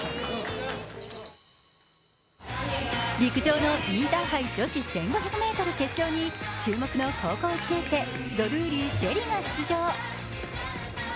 陸上のインターハイ女子１５００ｍ決勝に注目の高校１年生、ドルーリー朱瑛里が出場。